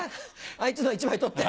あいつの１枚取って。